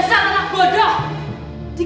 sampai jumpa nanti